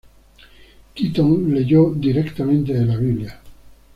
Keaton leyó directamente de la Biblia.